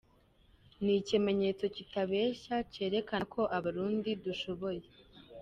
Ni ikimenyetso kitabesha cerekana ko Abarundi dushoboye.